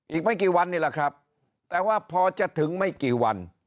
อีกไม่กี่วันนี้แหละครับแต่ว่าพอจะถึงไม่กี่วัน